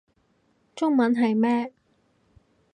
中文係咩